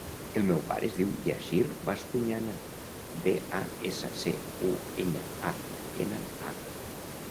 El meu pare es diu Yassir Bascuñana: be, a, essa, ce, u, enya, a, ena, a.